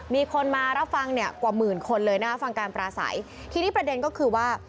มีคนมารับฟังเนี่ยกว่าหมื่นคนเลยนะฟังการปราศัยทีนี้ประเด็นก็คือว่า